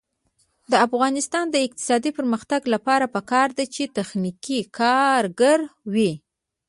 د افغانستان د اقتصادي پرمختګ لپاره پکار ده چې تخنیکي کارګر وي.